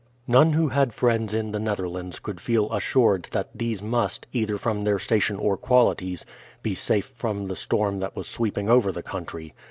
None who had friends in the Netherlands could feel assured that these must, either from their station or qualities, be safe from the storm that was sweeping over the country.